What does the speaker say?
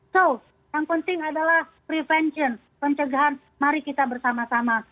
jadi yang penting adalah penyelamatkan pencegahan mari kita bersama sama